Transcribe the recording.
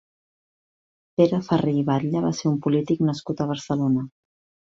Pere Ferrer i Batlle va ser un polític nascut a Barcelona.